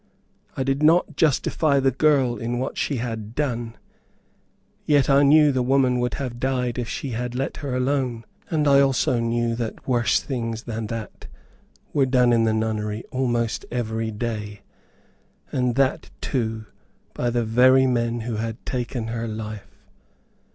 I did not justify the girl in what she had done, yet I knew that the woman would have died if she had let her alone; and I also knew that worse things than that were done in the nunnery almost every day, and that too by the very men who had taken her life.